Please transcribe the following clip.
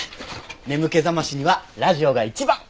眠気覚ましにはラジオが一番。